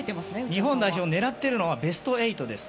日本代表狙っているのはベスト８です。